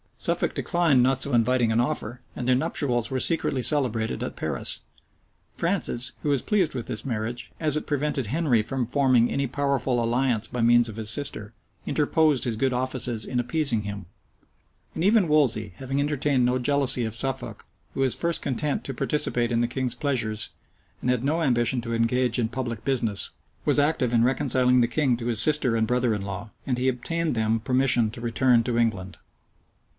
Suffolk declined not so inviting an offer; and their nuptials were secretly celebrated at Paris. Francis, who was pleased with this marriage, as it prevented Henry from forming any powerful alliance by means of his sister,[*] interposed his good offices in appeasing him: and even Wolsey, having entertained no jealousy of Suffolk, who was content to participate in the king's pleasures, and had no ambition to engage in public business, was active in reconciling the king to his sister and brother in law; and he obtained them permission to return to England.